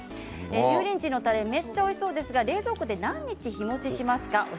油淋鶏のたれめっちゃおいしそうですが冷蔵庫で何日日もちしますか？